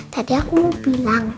tadi aku mau bilang